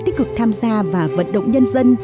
tích cực tham gia và vận động nhân dân